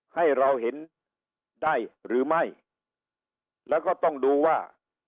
ให้เราเห็นได้หรือไม่แล้วก็ต้องดูว่า